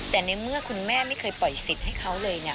แต่ในเมื่อคุณแม่ไม่เคยปล่อยสิทธิ์ให้เขาเลยเนี่ย